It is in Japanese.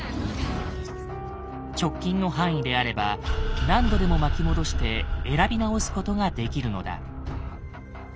直近の範囲であれば何度でも巻き戻して選び直すことができるのだ。